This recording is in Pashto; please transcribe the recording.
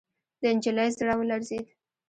د نجلۍ زړه ولړزېد.